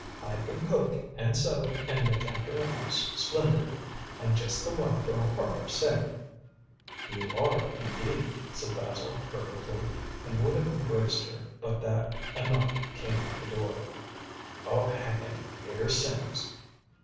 I can cook and sew and look after a house splendidly. I'm just the wife for a hard up sailor." "You are, indeed," said Basil fervently, and would have embraced her, but that a knock came at the door. "Oh, hang it! here's Sims."